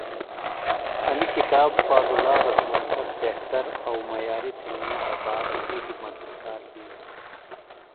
انیۡ کِتاب پالولا رسم الخط بہتر او معیاریۡ تھئنی دپارہ بیڈیۡ مدد گار بھی۔